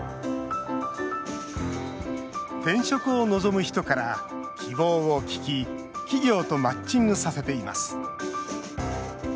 転職を望む人から希望を聞き企業とマッチングさせています。